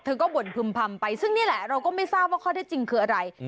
เธอก็บ่นพึ่มพำไปซึ่งนี่แหละเราก็ไม่ทราบว่าข้อได้จริงคืออะไร